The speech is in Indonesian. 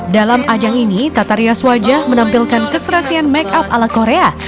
dalam ajang ini tata rias wajah menampilkan keserasian make up ala korea